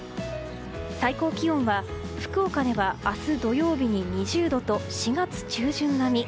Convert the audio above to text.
最高気温は福岡では明日土曜日に２０度と４月中旬並み。